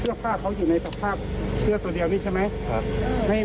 ผ้าเขาอยู่ในสภาพเสื้อตัวเดียวนี่ใช่ไหม